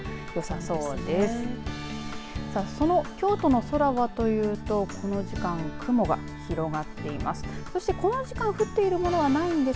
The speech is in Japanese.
その京都の空はというと、この時間雲が広がっています。